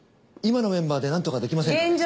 今のメンバーでなんとかできませんか。